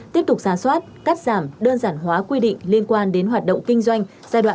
tiếp tục giá soát cắt giảm đơn giản hóa quy định liên quan đến hoạt động kinh doanh giai đoạn hai nghìn hai mươi hai nghìn hai mươi năm